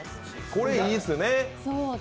これ、いいですよね。